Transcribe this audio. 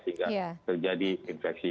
sehingga terjadi infeksi